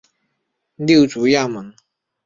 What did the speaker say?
六足亚门。